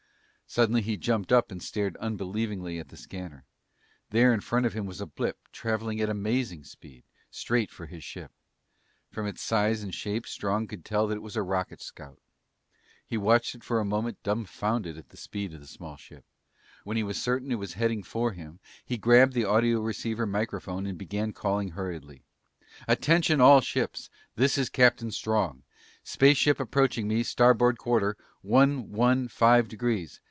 Suddenly he jumped up and stared unbelievingly at the scanner. There in front of him was a blip, traveling at amazing speed, straight for his ship. From its size and shape, Strong could tell it was a rocket scout. He watched it for a moment dumfounded at the speed of the small ship. When he was certain that it was heading for him, he grabbed the audioceiver microphone and began calling hurriedly. "Attention all ships! This is Captain Strong. Spaceship approaching me, starboard quarter, one one five degrees.